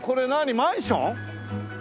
マンション？